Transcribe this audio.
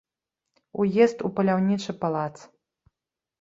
Уезд у паляўнічы палац.